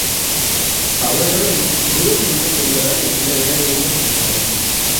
அவர்களும் குரு சொன்ன பின்புதான் எந்தவேலையையும் செய்வர்.